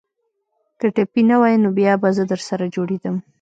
که ټپي نه واى نو بيا به زه درسره جوړېدم.